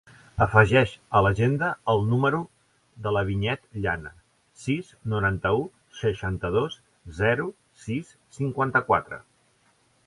Afegeix a l'agenda el número de la Vinyet Llana: sis, noranta-u, seixanta-dos, zero, sis, cinquanta-quatre.